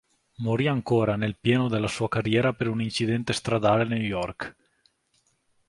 Morì ancora nel pieno della sua carriera per un incidente stradale a New York.